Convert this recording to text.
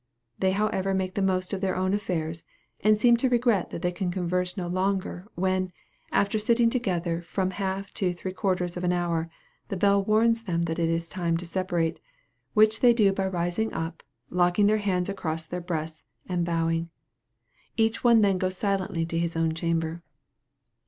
They however make the most of their own affairs, and seem to regret that they can converse no longer, when, after sitting together from half to three quarters of an hour, the bell warns them that it is time to separate, which they do by rising up, locking their hands across their breasts, and bowing. Each one then goes silently to his own chamber.